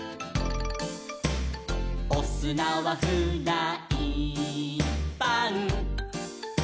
「おすなはフライパン」